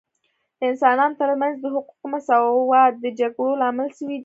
د انسانانو ترمنځ د حقوقو مساوات د جګړو لامل سوی دی